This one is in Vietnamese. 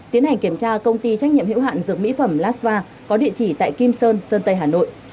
tiến hành kiểm tra công ty trách nhiệm hiệu hạn dược mỹ phẩm lasva có địa chỉ tại kim sơn sơn sơn tây hà nội